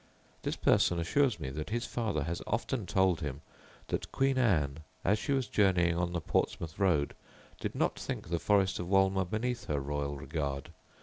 This person assures me, that his father has often told him, that Queen Anne, as she was journeying on the Portsmouth road, did not think the forest of Wolmer beneath her royal regard.